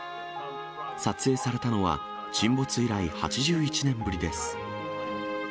撮影されたのは、沈没以来８１年ぶりです。